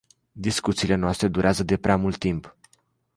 Discuțiile noastre durează de prea mult timp.